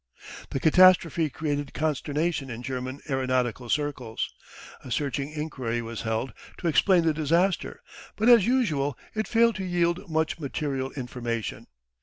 The catastrophe created consternation in German aeronautical circles. A searching inquiry was held to explain the disaster, but as usual it failed to yield much material information.